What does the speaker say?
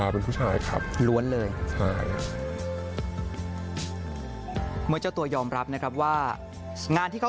เป็นผู้ชายครับร้วนเลยใช่ค่ะ